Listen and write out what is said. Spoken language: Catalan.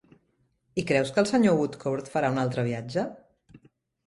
I creus que el senyor Woodcourt farà un altre viatge?